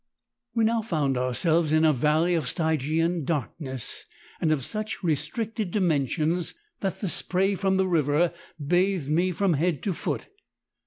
"We now found ourselves in a valley of stygian darkness, and of such restricted dimensions that the spray from the river bathed me from head to foot.